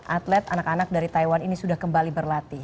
atlet anak anak dari taiwan ini sudah kembali berlatih